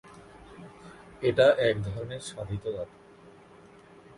এটা এক ধরনের সাধিত ধাতু।